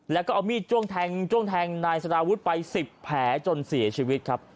แล้วก็เอามีดจ้วงแทงจ้วงแทงนายสารวุฒิไป๑๐แผลจนเสียชีวิตครับ